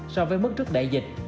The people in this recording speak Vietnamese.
so với mức trước đại dịch